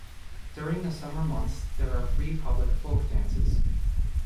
During the summer months there are free public folk dances.